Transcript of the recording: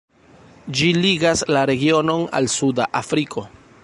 Ĝi ligas la regionon al suda Afriko.